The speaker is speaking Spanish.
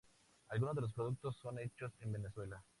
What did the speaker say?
Algunos de los productos son hechos en Venezuela.